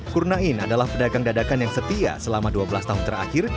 kurnain adalah pedagang dadakan yang setia selama dua belas tahun terakhir